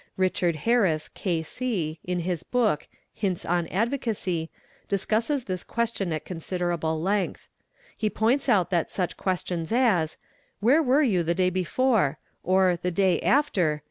Richart Harris, K.c., in his book " Hints on Advocacy " discusses this question at_ considerable length. He points out that such questions as, Where wer you the day before? or The day after?